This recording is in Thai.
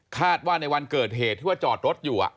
คาดว่าในวันเกิดเหตุที่ว่าจอดรถอยู่